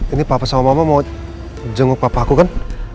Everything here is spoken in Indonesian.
ini papa sama mama mau jenguk papa aku kan